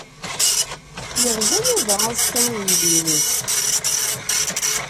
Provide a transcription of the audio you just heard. Yeɣza Yuba aẓekka i uydi-nnes.